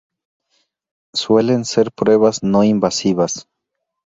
Suelen ser pruebas no invasivas.